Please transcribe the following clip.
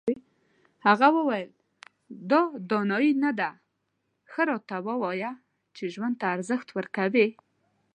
هغه وویل دا دانایي نه ده ښه راته ووایه چې ژوند ته ارزښت ورکوې.